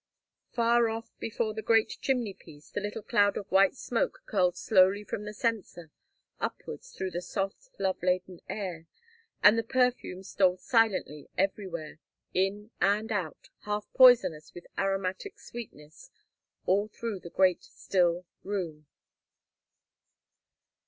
Far off before the great chimney piece, the little cloud of white smoke curled slowly from the censer upwards through the soft, love laden air and the perfume stole silently everywhere, in and out, half poisonous with aromatic sweetness, all through the great still room.